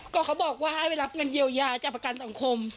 ก็เขาบอกว่าให้ไปรับเงินเยียวยาจากประกันสังคม